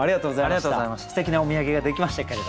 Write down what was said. すてきなお土産ができましたけれど。